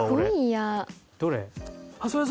どれ？